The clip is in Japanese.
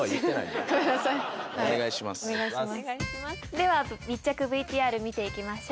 では密着ＶＴＲ見ていきましょう。